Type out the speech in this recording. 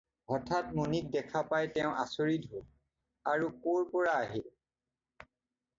হঠাৎ মণিক দেখা পাই তেওঁ আচৰিত হ'ল আৰু ক'ৰ পৰা আহিল।